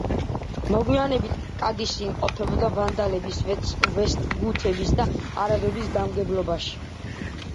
მოგვიანებით კი კადისი იმყოფებოდა ვანდალების, ვესტგუთების და არაბების გამგებლობაში.